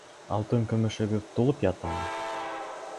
Алтын-көмөшөгөҙ тулып ятамы?